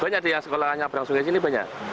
banyak di sekolah yang nyabrang sungai sini banyak